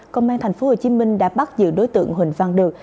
công an tp hcm đã bắt giữ đối tượng huỳnh văn được